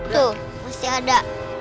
tuh masih ada